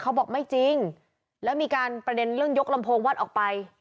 เขาบอกไม่จริงแล้วมีการประเด็นเรื่องยกลำโพงวัดออกไป